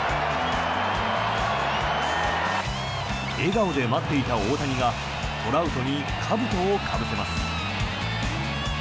笑顔で待っていた大谷がトラウトにかぶとをかぶせます。